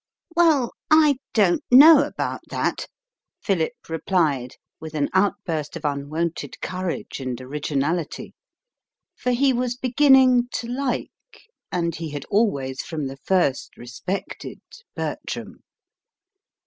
"Well, I don't know about that," Philip replied, with an outburst of unwonted courage and originality; for he was beginning to like, and he had always from the first respected, Bertram.